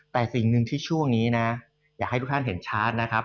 แต่สิ่งหนึ่งที่ช่วงนี้นะอยากให้ทุกท่านเห็นชาร์จนะครับ